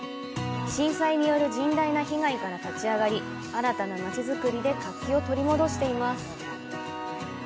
震災による甚大な被害から立ち上がり、新たなまちづくりで活気を取り戻しています。